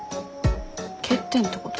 欠点ってこと？